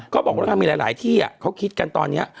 ก็บอกนะครับมีหลายที่เขาคิดกันตอนนี้